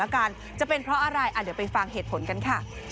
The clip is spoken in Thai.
เขายังเด็ก